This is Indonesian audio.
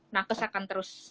nakes akan terus